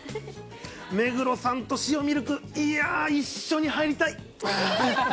目黒さんと塩ミルク、いやー、一緒に入りたい。